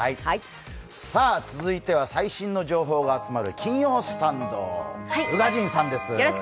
続いては最新の情報が集まる金曜スタンド、宇賀神さんです。